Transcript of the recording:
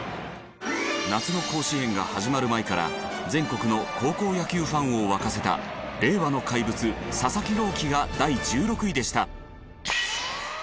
夏の甲子園が始まる前から全国の高校野球ファンを沸かせた令和の佐々木朗希が第１６位でした。